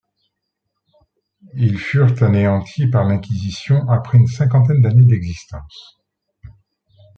Il furent anéantis par l'inquisition après une cinquantaine d'années d'existence.